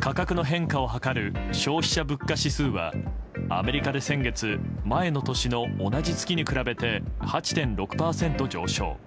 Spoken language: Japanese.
価格の変化を測る消費者物価指数はアメリカで先月前の年の同じ月に比べて８．６％上昇。